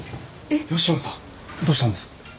吉野さんどうしたんですか？